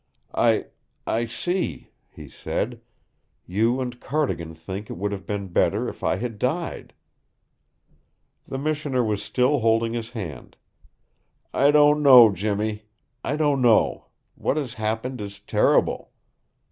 "I I see," he said. "You and Cardigan think it would have been better if I had died!" The missioner was still holding his hand. "I don't know, Jimmy, I don't know. What has happened is terrible."